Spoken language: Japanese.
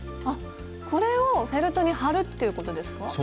あっこれをフェルトに貼るということですか？